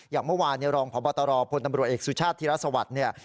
อย่างเมื่อวานรองพบตรพลตำรวจเอกสุชาติธิรัฐสวัสดิ์เนี่ย